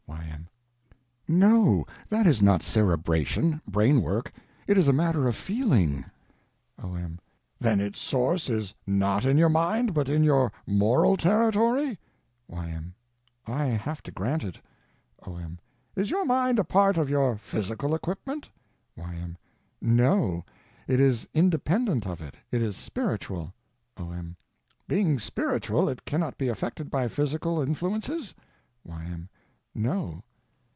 Y.M. That is not cerebration, brain work, it is a matter of feeling. O.M. Then its source is not in your mind, but in your _moral _territory? Y.M. I have to grant it. O.M. Is your mind a part of your _physical _equipment? Y.M. No. It is independent of it; it is spiritual. O.M. Being spiritual, it cannot be affected by physical influences? Y.M. No.